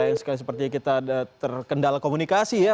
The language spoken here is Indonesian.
sayang sekali sepertinya kita terkendala komunikasi ya